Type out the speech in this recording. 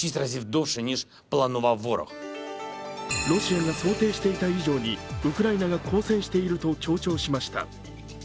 ロシアが想定していた以上にウクライナが抗戦していると強調しました。